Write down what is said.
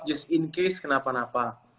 just in case kenapa napa